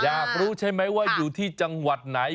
อยากรู้ใช่ไหมว่าอยู่ที่จังหวัดไหน